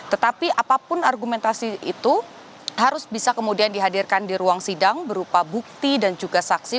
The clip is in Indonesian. tetapi apapun argumentasi itu harus bisa kemudian dihadirkan di ruang sidang berupa bukti dan juga saksi